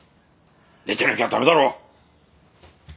寝てなきゃ駄目だろう。